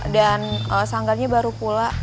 dan sanggarnya baru pula